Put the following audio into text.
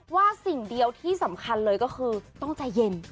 สิ่งเดียวที่สำคัญเลยก็คือต้องใจเย็น